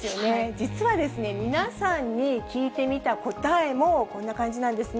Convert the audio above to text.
実はですね、皆さんに聞いてみた答えも、こんな感じなんですね。